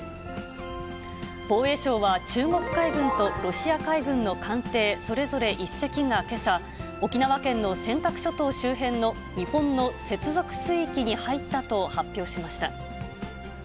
防衛省は中国海軍とロシア海軍の艦艇それぞれ１隻がけさ、沖縄県の尖閣諸島周辺の日本の接続水域に入ったと発表しました。